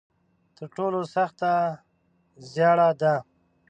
تر ټولو سخته زیاړه ده.